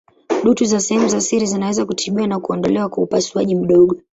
Dutu za sehemu za siri zinaweza kutibiwa na kuondolewa kwa upasuaji mdogo.